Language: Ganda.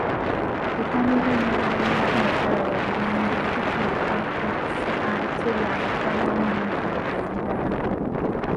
Butanoga ddagala omuntu nga talaba bulungi kutuuka ku ssa ate lya kutabulamu bintuntu ebirala.